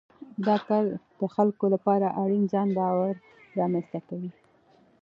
دا کار د خلکو لپاره اړین ځان باور رامنځته کوي.